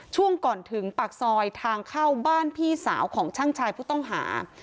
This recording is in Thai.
ช่วงก่อนถึงปากซอยทางเข้าบ้านพี่สาวของช่างชายผู้ต้องหา